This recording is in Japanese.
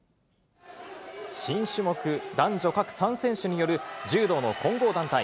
新種目、男女各３選手による柔道の混合団体。